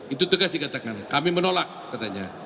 itu tegas dikatakan kami menolak katanya